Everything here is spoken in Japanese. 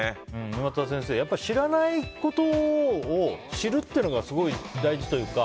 沼田先生、知らないことを知るっていうのがすごい大事というか。